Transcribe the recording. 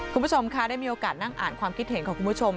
คุณผู้ชมค่ะได้มีโอกาสนั่งอ่านความคิดเห็นของคุณผู้ชม